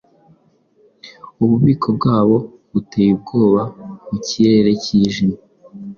Ububiko bwabo buteye ubwoba mu kirere cyijimye: